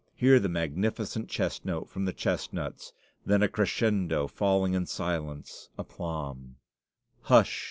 Hear that magnificent chest note from the chestnuts! then a crescendo, falling in silence à plomb! Hush!